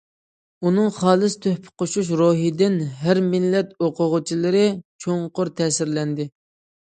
ئۇنىڭ خالىس تۆھپە قوشۇش روھىدىن ھەر مىللەت ئوقۇغۇچىلىرى چوڭقۇر تەسىرلەندى.